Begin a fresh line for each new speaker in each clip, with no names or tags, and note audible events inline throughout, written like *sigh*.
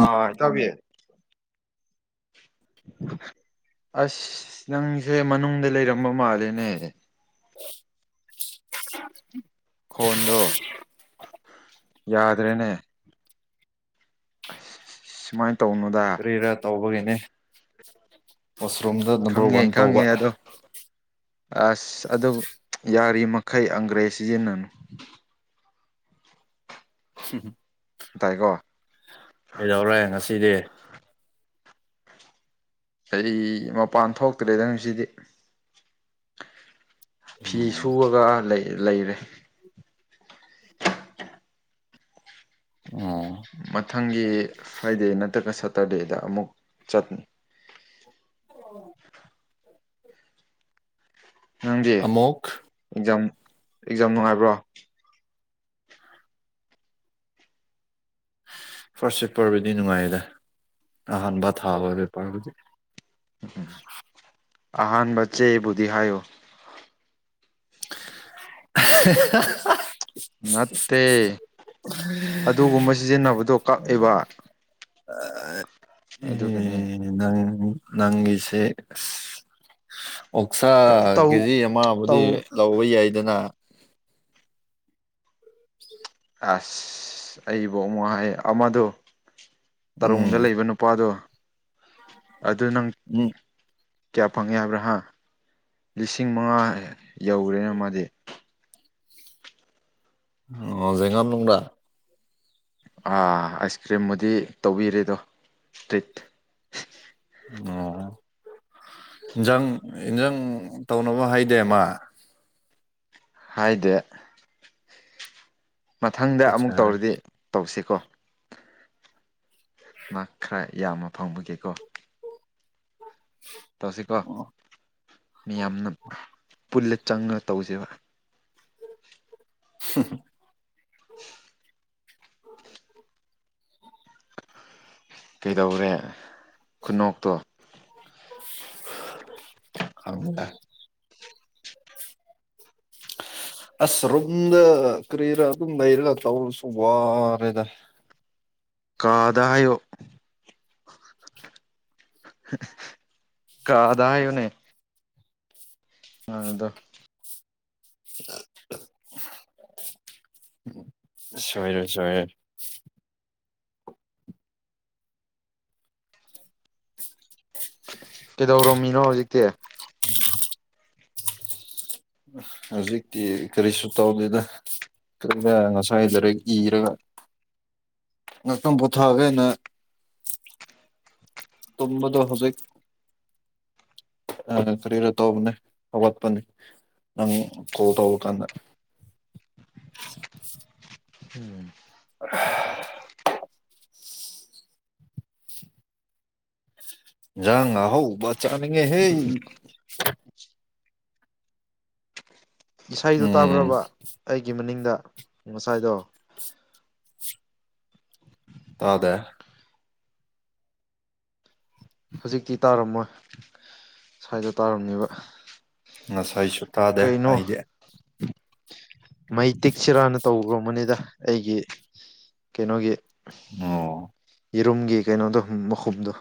ꯑ ꯏꯇꯥꯎꯕꯤ ꯑꯁ ꯅꯪꯁꯦ ꯃꯅꯨꯡꯗ ꯂꯩꯔꯝꯕ ꯃꯥꯜꯂꯦꯅꯦ ꯈꯣꯟꯗꯣ ꯌꯥꯗ꯭ꯔꯦꯅꯦ ꯁꯨꯃꯥꯏ
ꯀꯔꯤꯔꯥ ꯇꯧꯕꯒꯤꯅꯦ ꯋꯥꯁꯔꯨꯝꯗ ꯅꯝꯕꯔ
ꯈꯪꯉꯦ
ꯋꯥꯟ ꯇꯧꯕ
ꯈꯪꯉꯦ ꯑꯗꯣ ꯑꯁ ꯑꯗꯨ ꯌꯥꯔꯤꯃꯈꯩ ꯑꯪꯒ꯭ꯔꯦꯖ ꯁꯤꯖꯤꯟꯅꯅꯨ ꯇꯥꯏꯀꯣ
ꯀꯩꯗꯧꯔꯦ ꯉꯁꯤꯗꯤ
ꯑꯩ ꯃꯄꯥꯟ ꯊꯣꯛꯇ꯭ꯔꯦꯗꯪꯁꯤꯗꯤ ꯐꯤ ꯁꯨꯑꯒ ꯂꯩꯔꯦ
ꯑꯣ
ꯃꯊꯪꯒꯤ ꯐ꯭ꯔꯥꯏꯗꯦ ꯅꯠꯇ꯭ꯔꯒ ꯁꯇꯔꯗꯦꯗ ꯑꯃꯨꯛ ꯆꯠꯅꯤ
ꯑꯣ
ꯅꯪꯗꯤ
ꯑꯃꯨꯛ
ꯑꯦꯛꯖꯥꯝ ꯑꯦꯛꯖꯥꯝ ꯅꯨꯡꯉꯥꯏꯕ꯭ꯔꯣ
ꯐꯥꯔꯁ ꯄꯦꯄꯔꯕꯨꯗꯤ ꯅꯨꯡꯉꯥꯏꯗ ꯑꯍꯥꯟꯕ ꯊꯥꯕ ꯄꯦꯄꯔꯕꯨꯗꯤ ꯑ
ꯑꯍꯥꯟꯕ ꯆꯦꯕꯨꯗꯤ ꯍꯥꯏꯌꯨ
*inaudible*
ꯅꯠꯇꯦ ꯑꯗꯨꯒꯨꯝꯕ ꯁꯤꯖꯤꯟꯅꯕꯗꯣ ꯀꯛꯑꯦꯕ
ꯎ
ꯑꯗꯨꯒꯅꯦ
ꯅꯪ ꯅꯪꯒꯤꯁꯦ ꯑꯣꯛꯁꯥ
ꯇꯧ
ꯀꯦꯖꯤ ꯑꯃꯕꯨꯗꯤ
ꯇꯧ
ꯂꯧꯕ ꯌꯥꯏꯗꯅ
ꯑꯁ ꯑꯩꯕꯨ ꯑꯃꯛ ꯍꯥꯏ ꯑꯃꯗꯨꯣ ꯇꯔꯨꯡꯗ
ꯎꯝ
ꯂꯩꯕ ꯅꯨꯄꯥꯗꯣ ꯑꯗꯨ ꯅꯪ
ꯎꯝ
ꯀꯌꯥ ꯐꯪꯉꯦ ꯍꯥꯏꯕ꯭ꯔꯥ ꯍꯥꯥ ꯂꯤꯁꯤꯡ ꯃꯉꯥ ꯌꯧꯈꯔꯦꯅ ꯃꯥꯗꯤ
ꯑꯣ ꯦꯉꯅ ꯂꯅꯨꯡ꯭ꯔꯗꯥ
ꯥ ꯑꯥꯏꯁ ꯀ꯭ꯔꯤꯝꯕꯨꯗꯤ ꯇꯧꯕꯤꯔꯦꯗꯣ ꯇ꯭ꯔꯤꯠ
ꯑꯣ ꯏꯟꯖꯥꯡ ꯑꯦꯟꯖꯥꯡ ꯇꯧꯅꯕ ꯍꯩꯗꯦꯃ
ꯍꯥꯏꯗꯦ ꯃꯊꯪꯗ ꯑꯃꯨꯛ
ꯐꯖꯔꯦ
ꯇꯧꯔꯗꯤ ꯇꯧꯁꯤꯀꯣ ꯃꯍꯥꯛ ꯈꯔ ꯌꯥꯝꯅ ꯐꯪꯕꯒꯦꯀꯣ ꯇꯧꯁꯤꯀꯣ
ꯑꯣ
ꯃꯤꯌꯥꯝꯅ ꯄꯨꯜꯂ ꯆꯪꯉ ꯇꯧꯁꯦꯕ
ꯍ
ꯀꯩꯗꯧꯔꯦ ꯈꯨꯟꯅꯣꯛꯇꯣ
ꯊ
*inaudible*
ꯑꯁ ꯔꯣꯨꯝꯗ ꯀꯔꯤꯔ ꯑꯗꯨꯝ ꯂꯩꯔꯒ ꯇꯧꯔꯁꯨ ꯋꯥꯅꯦꯗ
ꯀꯥꯗꯥꯌꯣ ꯀꯥꯗꯥ ꯍꯥꯏꯨꯅꯦ ꯑ ꯑꯗꯣ
ꯁꯣꯏꯔꯦ ꯁꯣꯏꯔꯦ
ꯀꯩꯗꯧꯔꯝꯃꯤꯅꯣ ꯍꯧꯖꯤꯛꯇꯤ
ꯍꯧꯖꯤꯛꯇꯤ ꯀꯔꯤꯁꯨ ꯇꯧꯗꯦꯗ ꯉꯁꯥꯏꯗꯔ ꯏꯔꯒ ꯉꯥꯛꯇꯪ ꯄꯣꯊꯥꯑꯒꯦꯅ ꯇꯝꯕꯗꯨ ꯍꯧꯕꯦꯛ ꯑ ꯐꯔꯤꯔ ꯇꯅꯦ ꯑꯋꯥꯠꯄꯅꯤ ꯑ ꯀꯣꯇ ꯀꯗ
*inaudible* ꯎꯝ
*unintelligible* ꯌꯥꯥꯡꯉ ꯍꯥꯎ ꯆꯅꯤꯡꯒꯦ ꯍꯦ
ꯏꯁꯩꯗꯣ
ꯎꯝ
ꯇꯥꯕ꯭ꯔꯕ ꯑꯩꯒꯤ ꯃꯅꯤꯡꯗ ꯉꯁꯥꯏꯗꯣ
ꯇꯥꯗ
ꯍꯧꯖꯤꯛꯇꯤ ꯇꯥꯔꯝꯃꯣꯏ ꯁ꯭ꯋꯥꯏꯗ ꯇꯥꯔꯝꯅꯦꯕ
ꯉꯁꯥꯏꯁꯨ ꯇꯥꯗꯦ
ꯀꯩꯅꯣ
ꯍꯥꯏꯗꯦ
ꯃꯩ ꯇꯤꯛꯁꯤꯔꯥꯅ ꯇꯧꯕꯨꯝꯕꯅꯤꯗ ꯑꯩꯒꯤ ꯀꯩꯅꯣꯒꯤ
ꯑꯣ
ꯌꯦꯔꯨꯝꯒꯤ ꯀꯩꯅꯣꯗꯣ ꯃꯈꯨꯝꯗꯣ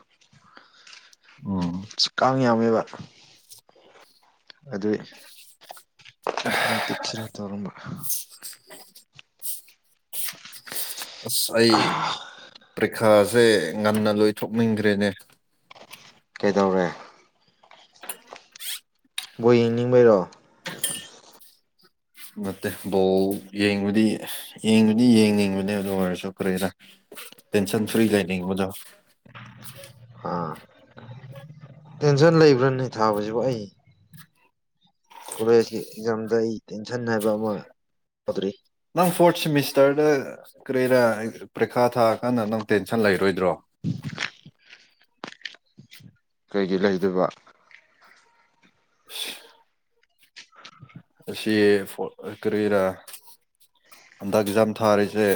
ꯎꯝ
ꯈꯪ ꯌꯥꯝꯃꯦꯕ ꯑꯗꯨꯗ ꯃ ꯇꯛꯆꯔ ꯇꯧꯔꯝꯕ
ꯎ ꯑꯁ ꯑꯩ ꯄ꯭ꯔꯤꯈꯥꯁꯦ ꯉꯟꯅ ꯂꯣꯏꯊꯣꯛꯅꯤꯡꯈ꯭ꯔꯦꯅꯦ
ꯀꯩꯗꯧꯔꯦ ꯕꯣ ꯌꯦꯡꯅꯤꯡꯕꯩꯔꯣ
ꯅꯠꯇꯦ ꯕꯣꯜ ꯌꯦꯡꯕꯗꯤ ꯌꯦꯡꯕꯗꯤ ꯌꯦꯡꯅꯤꯡꯕꯅꯦ ꯑꯗꯨ ꯑꯣꯏꯔꯁꯨ ꯀꯔꯤꯔ ꯇꯦꯟꯁꯟ ꯐ꯭ꯔꯤ ꯀ ꯃꯖꯣ
ꯑꯥ ꯇꯦꯟꯁꯟ ꯂꯩꯕ꯭ꯔꯥꯅꯤ ꯊꯥꯕꯁꯤꯕꯨ ꯑꯩ ꯀꯣꯂꯦꯖꯀꯤ ꯑꯦꯛꯖꯥꯝꯗ ꯑꯩ ꯇꯦꯟꯁꯟ ꯍꯥꯏꯕ ꯑꯃ ꯌꯥꯗ꯭ꯔꯤ
ꯅꯪ ꯐꯣꯔꯠ ꯁꯦꯃꯤꯁꯇꯔꯗ ꯀꯔꯤꯔꯥ ꯄꯔꯤꯈꯥ ꯊꯥꯑꯀꯥꯟꯗ ꯅꯪ ꯇꯦꯟꯁꯟ ꯂꯩꯔꯣꯏꯗ꯭ꯔꯣ
*unintelligible* ꯀꯩꯒꯤ ꯂꯩꯗꯣꯏꯕ
*inaudible* ꯑꯁꯤ ꯐ ꯀꯔ ꯍꯟꯗꯛ ꯑꯦꯛꯖꯥꯝ ꯊꯥꯔꯤꯁꯦ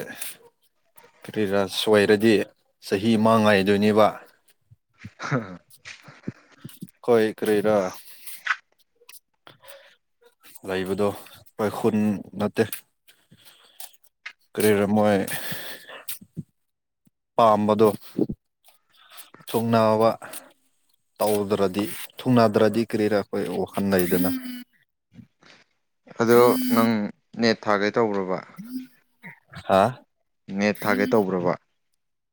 ꯐꯔꯤ ꯔꯁ ꯑꯣꯏꯔꯗꯤ ꯆꯍꯤ ꯃ ꯉꯥꯏꯗꯣꯏꯅꯦꯕ
ꯍ
ꯀꯣꯏ ꯀꯔꯤꯔꯥ ꯂꯩꯕꯗꯣ ꯑꯩꯈꯣꯏ ꯈꯨꯨꯟ ꯅꯠꯇꯦ ꯀꯔꯤꯔꯃꯣꯏ ꯄꯥꯝꯕꯗꯣ ꯊꯨꯡꯅꯥꯕ ꯇꯧꯗ꯭ꯔꯗꯤ ꯊꯨꯅꯗ꯭ꯔꯗꯤ ꯀꯔꯤꯔꯥ ꯑꯩꯈꯣꯏ ꯋꯥꯈꯜ ꯂꯩꯩꯗꯅ
ꯑꯗꯣ ꯅꯪ ꯅꯦꯠ ꯊꯥꯒꯦ ꯇ꯭ꯔꯕ
ꯍꯥꯥ
ꯅꯦꯠ ꯊꯥꯒꯦ ꯇꯧꯕ꯭ꯔꯕ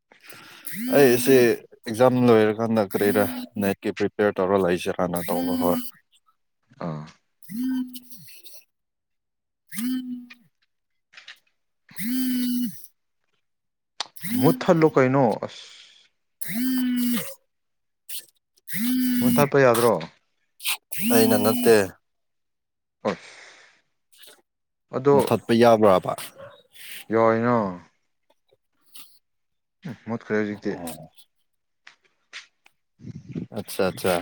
*unintelligible* *unintelligible*
ꯑꯩꯁꯦ ꯑꯦꯛꯖꯥꯝ ꯂꯣꯏꯔꯀꯥꯟꯗ ꯀꯔꯤꯔ ꯅꯦꯠꯀꯤ ꯄ꯭ꯔꯤꯄꯦꯌꯔ ꯇꯧꯔ ꯂꯩꯥꯛꯏꯁꯦ ꯀꯥꯟꯅ ꯇꯧꯕ ꯍꯣꯏ
ꯑꯥ
ꯎꯝ ꯎꯝ ꯎꯝ
ꯃꯨꯠꯊ ꯂꯨ ꯀꯩꯅꯣ ꯑꯁ
ꯍꯝꯝ
ꯃꯨ ꯊꯠꯄ ꯌꯥꯗ꯭ꯔꯣ
ꯑꯩꯅ ꯅꯠꯇꯦ
ꯍꯣꯏ
ꯃꯨꯠꯊꯠꯄ ꯌꯥꯕ꯭ꯔꯥꯕ
ꯌꯥꯣꯏꯅꯣ ꯎꯝ ꯃꯨꯠꯈ꯭ꯔꯦ ꯍꯧꯖꯤꯛꯇꯤ ꯎꯝ
ꯑꯆꯥ ꯑꯠꯆꯥ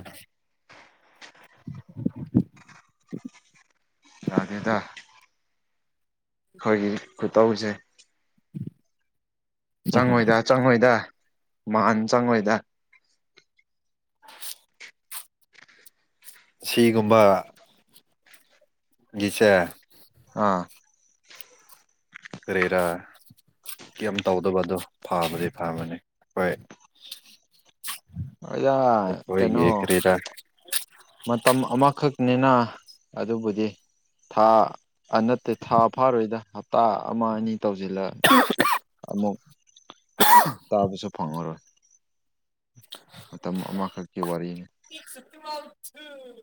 *unintelligible*
ꯔꯥꯗꯤꯦꯗ ꯑꯩꯈꯣꯏꯒꯤ ꯈꯨꯇꯧꯁꯦ ꯆꯪꯉꯣꯏꯗ ꯆꯪꯉꯣꯏꯗ ꯃꯥꯥꯟ ꯆꯪꯉꯣꯏꯗ
ꯁꯤꯒꯨꯝꯕ ꯒꯤꯁꯦ
ꯑꯥ
ꯀꯔꯦꯔ ꯀꯦꯝ ꯇꯧꯗꯕꯗꯣ ꯐꯕꯗꯤ ꯐꯕꯅꯤ ꯍꯣꯏ
ꯑꯣꯖꯥ ꯀꯩꯅꯣ
ꯑꯩꯈꯣꯏꯒꯤ ꯀꯔꯤꯔꯥ
ꯃꯇꯝ ꯑꯃꯈꯛꯅꯤꯅ ꯑꯗꯨꯕꯨꯗꯤ ꯊꯥ ꯅꯠꯇꯦ ꯊꯥ ꯐꯥꯔꯣꯏꯗ ꯍꯞꯇꯥ ꯑꯃ ꯑꯅꯤ ꯇꯧꯁꯤꯜꯂ ꯑꯃꯨꯛ ꯇꯥꯕꯁꯨ ꯐꯪꯉꯔꯣꯏ ꯃꯇꯝ ꯑꯃꯈꯛꯀꯤ ꯋꯥꯔꯤꯅꯤ
ꯎꯝ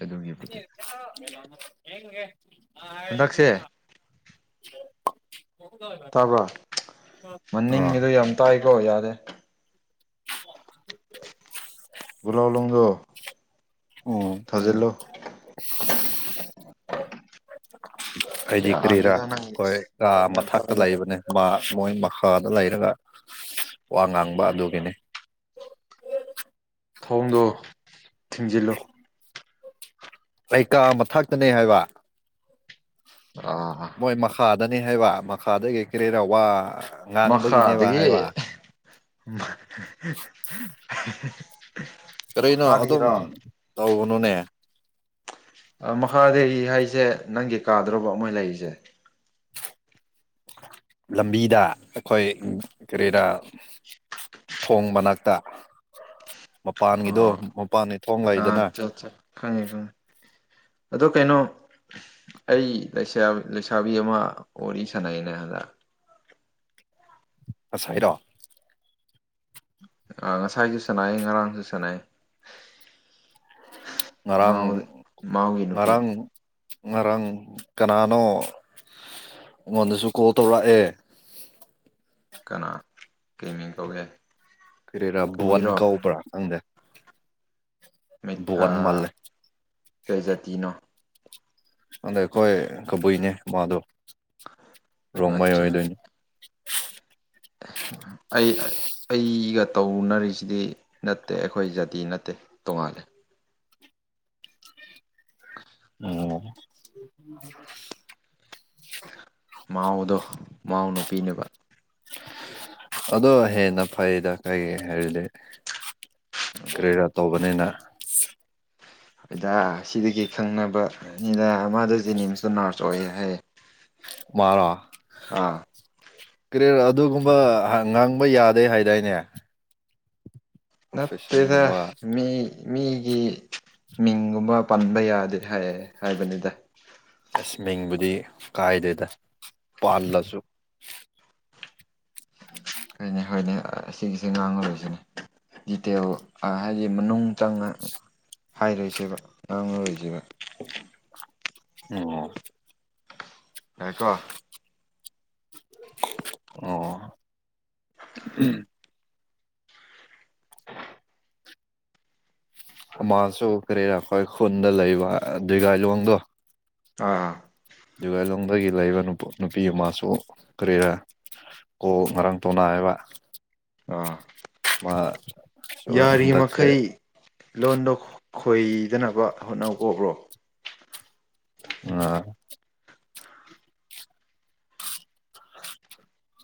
ꯑꯗꯨꯒꯤꯕꯨꯗꯤ
ꯑ
ꯍꯟꯗꯛꯁꯦ
ꯍꯥꯏ
ꯇꯥꯕꯣ
ꯑꯥ
ꯃꯅꯤꯡꯉꯤꯗꯨ ꯌꯥꯝ ꯇꯥꯏꯀꯣ ꯌꯥꯔꯦ
*unintelligible*
ꯒꯂꯥꯎ ꯂꯣꯡꯗꯣ
ꯎꯝ
ꯊꯥꯖꯤꯜꯂꯣ
ꯍꯥꯏꯗꯤ ꯀꯔꯤꯔꯥ
ꯌꯥꯅꯤꯗ ꯅꯪꯒꯤ
ꯑꯩꯈꯣꯏ ꯀꯥ
ꯐꯣꯟ ꯌꯥꯝ
ꯃꯊꯇ
ꯇꯥꯏꯗ
ꯂꯩꯕꯅꯦ ꯃꯥ ꯃꯣꯏ ꯃꯈꯥꯗ ꯂꯩꯔꯒ ꯋꯥ ꯉꯥꯡꯕ ꯑꯗꯨꯒꯤꯅꯤ
ꯊꯣꯡꯗꯣ ꯊꯤꯡꯖꯤꯜꯂꯨ
ꯀꯩꯀꯥ ꯑꯃ ꯊꯥꯛꯇꯅꯦ ꯍꯥꯏꯕ
ꯑꯥ
ꯃꯣꯏ ꯃꯈꯥꯗꯅꯤ ꯍꯥꯏꯕ ꯃꯈꯥꯗꯒꯤ ꯀꯦꯔꯦꯔꯥꯎꯕ
ꯃꯈꯥ ꯑꯗꯒꯤ
ꯀꯔꯤꯅꯣ ꯑꯗꯨꯝ ꯇꯧꯕꯅꯨꯅꯦ
ꯃꯈꯥꯗꯔꯤ ꯍꯥꯏꯁꯦ ꯅꯪꯒꯤ ꯀꯥꯗ꯭ꯔꯕ ꯑꯃ ꯂꯩꯔꯤꯁꯦ
ꯂꯝꯕꯤꯗ ꯑꯩꯈꯣꯏ ꯀꯔꯤꯗ ꯊꯣꯡ ꯃꯅꯥꯛꯇ ꯃꯄꯥꯟꯒꯤꯗꯣ
ꯑꯣ
ꯃꯄꯥꯟꯅꯤ ꯊꯣꯡꯉꯏꯗꯅ
ꯑꯠꯆꯥ ꯑꯠꯆꯥ ꯈꯪꯉꯦ ꯈꯪꯉꯦ ꯑꯗꯣ ꯀꯩꯅꯣ ꯑꯩ ꯂꯩꯁꯥꯕꯤ ꯑꯃ ꯋꯥꯔꯤ ꯁꯥꯟꯅꯩꯅꯦ ꯍꯟꯗꯛ
ꯉꯁꯥꯏꯔꯣ
ꯑ ꯉꯁꯥꯏꯁꯨ ꯁꯥꯟꯅꯩ ꯉꯔꯥꯡꯁꯨ ꯁꯅꯩ
ꯉꯥꯡ
ꯃꯥꯎꯒꯤ ꯅꯨꯄꯤ
ꯃꯔꯥꯡ ꯃꯔꯥꯡ ꯀꯅꯥꯅꯣ ꯑꯩꯉꯣꯟꯗꯁꯨ ꯀꯣꯜ ꯇꯧꯔꯛꯑꯦ
ꯀꯅꯥ ꯀꯩꯃꯤꯡ ꯀꯧꯒꯦ
ꯀꯦꯔꯦꯔꯥ
ꯀꯕꯨꯏꯔꯣ
ꯋꯥꯟꯒꯥꯎꯕ꯭ꯔꯥ ꯑꯪꯗ ꯃꯥꯜꯂꯦ
ꯀꯩꯖꯥꯇꯤꯅꯣ
ꯑꯗ ꯑꯩꯈꯣꯏ ꯀꯕꯨꯏꯅꯦ ꯃꯥꯗꯣ ꯔꯣꯡꯃꯩ
ꯑꯠꯆꯥ
ꯑꯣꯏꯗꯣꯏꯅꯦ
ꯑꯩ ꯑꯩꯒ ꯇꯧꯅꯔꯤꯁꯤꯗꯤ ꯅꯠꯇꯦ ꯑꯩꯈꯣꯏ ꯖꯥꯇꯤ ꯅꯠꯇꯦ ꯇꯣꯉꯥꯂꯦ
ꯑꯣꯝ
ꯃꯥꯎꯗꯣ ꯃꯥꯎ ꯅꯨꯄꯤꯅꯦꯕ
ꯑꯗꯣ ꯍꯦꯟꯅ ꯐꯩꯗ ꯀꯔꯤ ꯍꯥꯏꯔꯤꯗꯤ ꯀꯔꯤꯔꯥ ꯇꯧꯕꯅꯤꯅ
ꯍꯗ ꯁꯤꯗꯒꯤ ꯈꯪꯅꯕꯅꯤꯗ ꯃꯥꯗꯣ ꯖꯦꯅꯤꯝꯁꯇ ꯅꯔꯁ ꯑꯣꯏꯌꯦ ꯍꯥꯏꯌꯦ
ꯃꯥꯔꯣ
ꯑꯥ
ꯀꯔꯤꯌꯔ ꯑꯗꯨꯒꯨꯝꯕ ꯉꯥꯡꯕ ꯌꯥꯗꯦ ꯍꯥꯏꯗꯥꯏꯅꯦ
ꯅꯠꯇꯦꯗ
ꯄ꯭ꯔꯣꯐꯦꯁꯟꯒꯨꯝꯕ
ꯃꯤ ꯃꯤꯒꯤ ꯃꯤꯡꯒꯨꯝꯕ ꯄꯟꯕ ꯌꯥꯗꯦ ꯍꯥꯏ ꯍꯥꯏꯕꯅꯤꯗ
ꯇꯁꯃꯤꯡꯕꯨꯗꯤ ꯀꯥꯏꯗꯦꯗ ꯄꯥꯜꯂꯁꯨ
ꯀꯩꯅꯤ ꯍꯣꯏꯅꯦ ꯑꯁꯤꯒꯤꯒꯤꯁꯦ ꯉꯥꯡꯉꯨꯗꯣꯏꯁꯤꯅꯦ ꯗꯤꯖꯤꯇꯦꯜ ꯍꯥꯏꯗꯤ ꯃꯅꯨꯡ ꯆꯪꯅ ꯍꯥꯏꯔꯣꯏꯁꯦꯕ ꯉꯥꯡꯉꯔꯣꯏꯁꯦꯕ
ꯑꯣ
ꯍꯥꯏꯀꯣ
ꯑꯣ ꯑꯃꯥꯁꯨ ꯀꯔꯤꯔꯥ ꯑꯩꯈꯣꯏ ꯈꯨꯟꯗ ꯂꯩꯕ ꯗꯨꯏꯒꯥꯏꯂꯣꯡꯗꯣ
ꯑꯥ꯫
ꯑꯗꯨꯒꯂꯣꯡꯗꯒꯤ ꯂꯩꯕ ꯅꯨꯄꯤ ꯑꯃꯁꯨ ꯀꯔꯤꯔ ꯀꯣꯛ ꯉꯔꯥꯡ ꯇꯣꯅꯥ ꯍꯥꯏꯕ꯫
ꯑꯥ
ꯍꯟꯗꯛꯁꯦ
ꯌꯥꯔꯤꯃꯈꯩ ꯂꯣꯟꯗꯣ ꯈꯣꯏꯗꯅꯕ ꯍꯣꯠꯅꯧ ꯀꫭ ꯕ꯭ꯔꯣ꯫
ꯑ꯫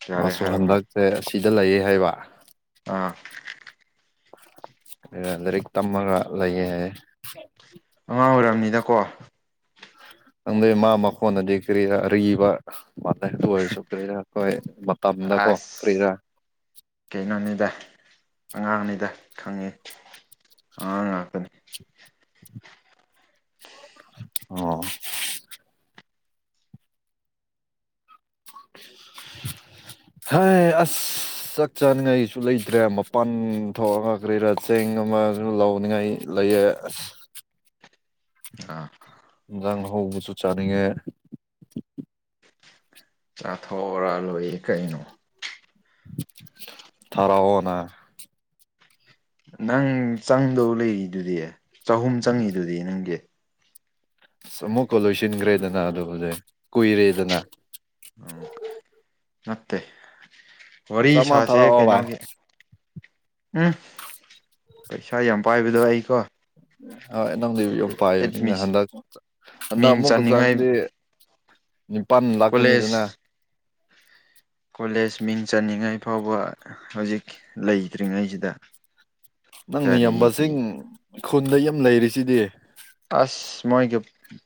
ꯌꯥꯔꯦ
ꯃꯁꯨ
ꯍꯥꯏꯔꯣ ꯍꯥꯏꯔꯣ
ꯍꯟꯗꯛꯁꯦ ꯑꯁꯤꯗ ꯂꯩꯌꯦ ꯍꯥꯏꯕ꯫
ꯑꯥ
ꯂꯥꯏꯔꯤꯛ ꯇꯝꯃꯒ ꯂꯩꯌꯦ ꯍꯥꯏꯌꯦ꯫
ꯑꯉꯥꯡ ꯑꯣꯏꯔꯝꯅꯤꯗ ꯀꯣ꯫
ꯈꯪꯗꯦ ꯃꯥ ꯃꯈꯣꯟꯅꯗꯤ ꯀꯔꯤꯔ ꯑꯔꯤꯕ ꯃꯥꯜꯂꯦ ꯑꯗꯨ ꯑꯣꯏꯔꯁꯨ ꯀꯔꯤꯔꯥ ꯑꯩꯈꯣꯏ ꯃꯇꯝꯗ ꯀꯣ
ꯑꯁ
ꯀꯔꯤꯔꯥ
ꯀꯩꯅꯣꯅꯤꯗ ꯑꯉꯥꯡꯅꯤꯗ ꯈꯪꯉꯤ ꯑꯉꯥꯡ ꯉꯥꯛꯇꯅꯤ꯫
ꯑꯣ꯫
*inaudible*
ꯍꯣꯏ ꯑꯁ꯫ ꯆꯥꯛ ꯆꯥꯅꯤꯡꯉꯥꯏꯁꯨ ꯂꯩꯇ꯭ꯔꯦ ꯃꯄꯥꯟ ꯊꯣꯛꯑꯒ ꯀꯔꯤꯔꯥ ꯆꯦꯡ ꯑꯃꯁꯨ ꯂꯧꯅꯤꯡꯉꯥꯏ꯫ ꯂꯩꯌꯦ ꯑꯁ
*inaudible* ꯑ꯫
ꯏꯟꯖꯥꯡ ꯑꯍꯧꯕꯁꯨ ꯆꯥꯅꯤꯡꯉꯦ꯫
ꯆꯥꯊꯣꯛꯔꯥ ꯂꯣꯏꯌꯦ ꯀꯩꯅꯣ꯫
ꯊꯥꯔꯛꯑꯣꯅ꯫
ꯅꯪ ꯆꯪꯗꯧ ꯂꯩꯔꯤꯗꯨꯗꯤ ꯆꯍꯨꯝ ꯆꯪꯉꯤꯗꯨꯗꯤ ꯅꯪꯒꯤ꯫
ꯑꯁ ꯑꯃꯨꯛꯀ ꯂꯣꯏꯁꯤꯟꯈ꯭ꯔꯦꯗꯅ ꯑꯗꯨꯕꯨꯗꯤ ꯀꯨꯏꯔꯦꯗꯅ꯫
ꯑꯣꯝ ꯅꯠꯇꯦ꯫ ꯋꯥꯔꯤ
ꯆꯥꯝꯃ
ꯁꯥꯥꯁꯦ
ꯊꯥꯔꯛꯑꯣ ꯚꯥꯏ
ꯀꯩꯅꯣꯒꯤ꯫ ꯎꯝ ꯄꯩꯁꯥ ꯌꯥꯝ ꯄꯥꯏꯕꯗꯣ ꯑꯩꯀꯣ꯫
ꯍꯣꯏ ꯅꯪꯗꯩ ꯌꯥꯝ ꯄꯥꯏꯕꯅꯤꯅ
ꯑꯦꯗꯃꯤꯁ
ꯍꯟꯗꯛ ꯍꯟꯗꯛ
ꯃꯤꯡ
ꯑꯃꯨꯛꯀꯛ
ꯆꯟꯅꯤꯡꯉꯥꯏ
ꯆꯥꯡꯗꯤ ꯅꯤꯄꯥꯟ
ꯀꯣꯂꯦꯖ
ꯂꯥꯛꯀꯅꯤꯗꯅ꯫
ꯀꯣꯂꯦꯖ ꯃꯤꯡ ꯆꯅꯤꯡꯉꯩ ꯐꯥꯎꯕ ꯍꯧꯖꯤꯛ ꯂꯩꯇ꯭ꯔꯤꯉꯩꯁꯤꯗ
ꯅꯪꯅ ꯌꯥꯝꯕꯁꯤꯡ
ꯀꯔꯤꯒꯤ
ꯈꯨꯟꯗ ꯌꯥꯝ ꯂꯩꯔꯤꯁꯤꯗꯤ꯫
ꯑꯁ ꯃꯣꯏꯒ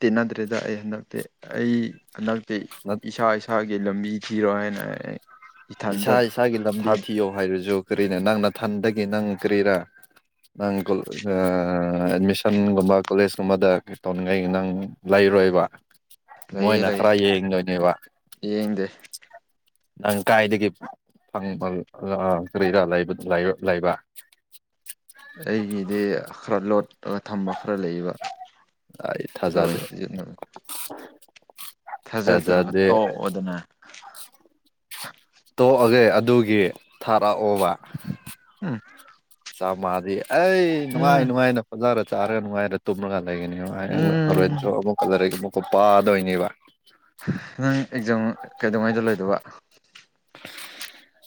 ꯇꯤꯟꯅꯗ꯭ꯔꯦꯗ ꯑꯩ ꯍꯟꯗꯛꯇꯤ ꯑꯩ ꯍꯟꯗꯛꯇꯤ ꯏꯁꯥ ꯏꯁꯥꯒꯤ ꯂꯝꯕꯤ ꯊꯤꯔꯣ ꯍꯥꯏꯅ ꯑꯩ ꯏꯊꯟꯇ
ꯏꯁꯥ ꯏꯁꯥꯒꯤ
ꯊꯥ
ꯂꯝꯕꯤ ꯊꯤꯌꯣ ꯍꯥꯏꯔꯁꯨ ꯀꯔꯤꯅꯦ ꯅꯪ ꯅꯊꯟꯇꯒꯤ ꯅꯪ ꯀꯔꯤꯔꯥ ꯅꯪ ꯀꯨ ꯑ꯫ ꯑ ꯑꯦꯗꯃꯤꯁꯟꯒꯨꯝꯕ ꯀꯣꯂꯦꯖꯀꯨꯝꯕꯗ ꯇꯧꯅꯤꯡꯉꯥꯏ ꯅꯪ ꯂꯩꯔꯣꯏꯕ꯫
ꯂꯩꯌꯦ
ꯃꯣꯏꯅ
ꯂꯩꯌꯦ
ꯈꯔ ꯌꯦꯡꯗꯣꯏꯅꯦꯕ꯫
ꯌꯦꯡꯗꯦ
ꯅꯪ ꯀꯥꯏꯗꯒꯤ ꯐꯪ ꯐꯪ ꯑ ꯀꯔꯤꯔꯥ ꯂꯩꯕ ꯂꯩ ꯂꯩꯕ꯫
ꯑꯩꯒꯤꯗꯤ ꯑꯈ꯭ꯔꯂꯣꯠ ꯑꯒ ꯊꯝꯕ ꯈꯔ ꯂꯩꯕ
ꯑꯩ ꯊꯥꯖꯗꯦ
ꯑꯗꯨꯃꯥꯏꯅ ꯁꯤꯖꯤꯟꯅꯕ꯫ ꯊꯥꯖꯗ꯭ꯔꯒ
ꯊꯥꯖꯗꯦ
ꯇꯣꯛꯑꯣꯗꯅ꯫
ꯇꯣꯛꯑꯒꯦ ꯑꯗꯨꯒꯤ ꯊꯥꯔꯛꯑꯣꯕ꯫
*inaudible*
ꯆꯞ ꯃꯥꯗꯤ ꯑꯩ ꯅꯨꯡꯉꯥꯏ
ꯎꯝ
ꯅꯨꯡꯉꯥꯏꯅ ꯐꯖꯔꯒ ꯆꯥꯔꯒ ꯅꯨꯡꯉꯥꯏꯔ ꯇꯨꯝꯔꯀꯥꯟꯗ꯫ ꯂꯩꯒꯅꯦꯕ ꯍꯥꯏ ꯍꯣꯔꯦꯟ
ꯎꯝ
ꯊ꯭ꯔ ꯑꯃꯨꯛꯀ ꯂꯔ ꯑꯃꯨꯛꯀ ꯄꯥꯗꯣꯏꯅꯦꯕ꯫
ꯅꯪ ꯑꯦꯛꯖꯥꯝ ꯀꯩꯗꯧꯉꯥꯏꯗ ꯂꯩꯏꯗꫭꯕ꯫
*inaudible*